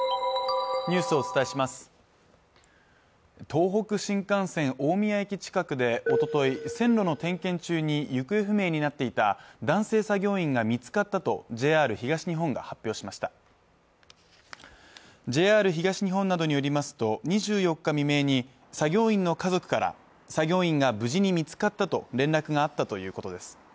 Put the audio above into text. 東北新幹線・大宮駅近くでおととい線路の点検中に行方不明になっていた男性作業員が見つかったとＪＲ東日本が発表しましたＪＲ東日本などによりますと２４日未明に作業員の家族から作業員が無事に見つかったと連絡があったということです